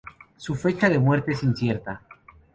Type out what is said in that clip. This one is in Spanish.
Su fecha de muerte es incierta.